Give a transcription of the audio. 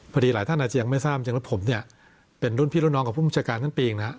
พอดีหลายท่านอาจจะยังไม่ทราบจึงว่าผมเนี่ยเป็นรุ่นพี่รุ่นน้องกับผู้บิชการทั้งปีอีกนะ